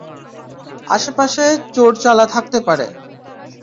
আশেপাশে চোর- চালা থাকতে পারে।